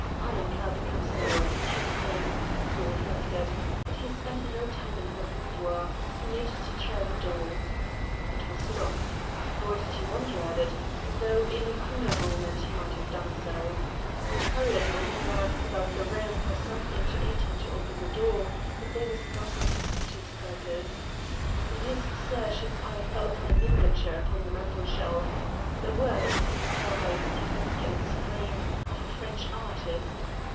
"Annapla becomes more interesting," he reflected, but he spent no time in her boudoir; he made to try the door. It was locked; nor did he wonder at it, though in a cooler moment he might have done so. Hurriedly he glanced about the room for something to aid him to open the door, but there was nothing to suit his purpose. In his search his eye fell upon a miniature upon the mantelshelf the work, as he could tell by its technique and its frame, of a French artist.